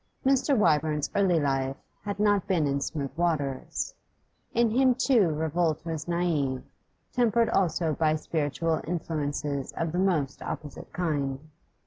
Mr. Wyvern's early life had not been in smooth waters; in him too revolt was native, tempered also by spiritual influences of the most opposite kind.